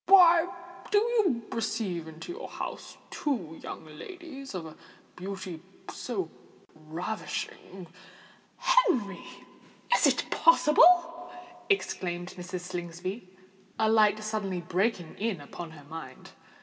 "Why do you receive into your house two young ladies of a beauty so ravishing——" "Henry! is it possible?" exclaimed Mrs. Slingsby, a light suddenly breaking in upon her mind.